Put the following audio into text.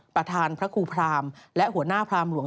ประธานพระครูพรามและหัวหน้าพรามหลวง